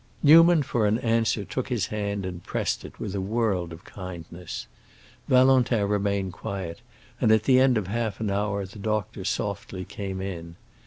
Newman for an answer took his hand and pressed it with a world of kindness. Valentin remained quiet, and at the end of half an hour the doctor softly came in.